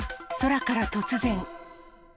空から突然。